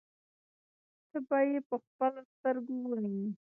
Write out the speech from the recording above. ته به يې په خپلو سترګو ووینې.